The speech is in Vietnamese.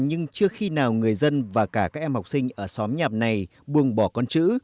nào người dân và cả các em học sinh ở xóm nhạp này buông bỏ con chữ